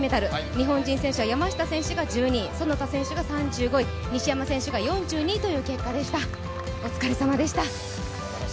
日本人選手は山下選手が１２位、其田選手が３５位、西山選手が４２位という結果でしたお疲れさまでした。